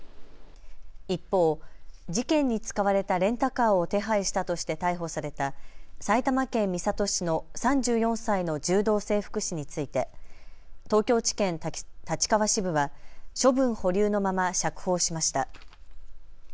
一方、事件に使われたレンタカーを手配したとして逮捕された埼玉県三郷市の３４歳の柔道整復師について東京地検立川支部は処分保留のまま釈放しました。